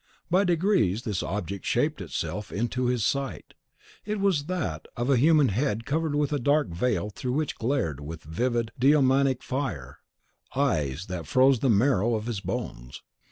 By degrees this object shaped itself to his sight. It was as that of a human head covered with a dark veil through which glared, with livid and demoniac fire, eyes that froze the marrow of his bones.